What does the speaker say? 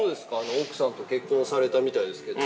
奥さんと結婚されたみたいですけど。